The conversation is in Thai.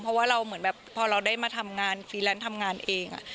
เพราะว่าเราเหมือนแบบพอเราได้มาทำงานฟรีแลนซ์ทำงานเอง